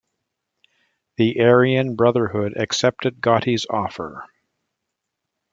The Aryan Brotherhood accepted Gotti's offer.